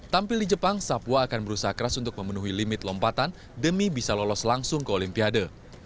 tampil di jepang sapua akan berusaha keras untuk memenuhi limit lompatan demi bisa lolos langsung ke olimpiade